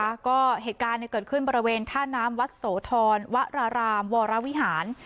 แล้วก็เหตุการณ์เนี่ยเกิดขึ้นบริเวณท่าน้ำวัดโสธรวรารามวรวิหาร